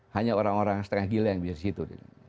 hanya orang orang setengah gila yang bisa di situ